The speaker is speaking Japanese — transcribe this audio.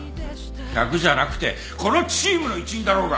客じゃなくてこのチームの一員だろうが！